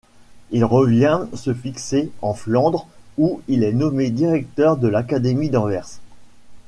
Il revient se fixer en Flandre où il est nommé directeur de l'Académie d'Anvers.